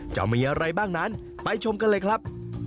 จะมีอะไรบ้างนั้นไปชมกันเลยครับ